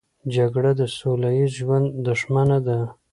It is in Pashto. جګړه د سوله ییز ژوند دښمنه ده